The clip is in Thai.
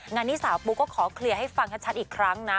งานนี้สาวปูก็ขอเคลียร์ให้ฟังชัดอีกครั้งนะ